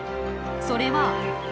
それは。